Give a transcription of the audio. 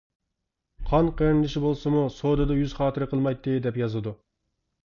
قان قېرىندىشى بولسىمۇ سودىدا يۈز خاتىرە قىلمايتتى دەپ يازىدۇ.